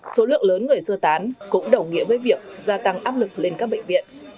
số lượng lớn người sơ tán cũng đồng nghĩa với việc gia tăng áp lực lên các bệnh viện